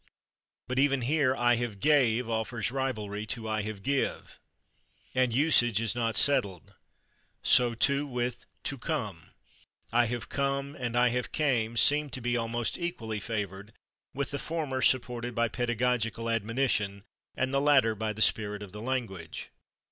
But even here "I have /gave/" offers rivalry to "I have /give/," and usage is not settled. So, too, with /to come/. "I have /come/" and "I have /came/" seem to be almost equally [Pg206] favored, with the former supported by pedagogical admonition and the latter by the spirit of the language.